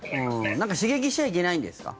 なんか刺激してはいけないんですか？